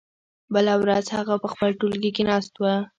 بله ورځ هغه په خپل ټولګي کې ناست و.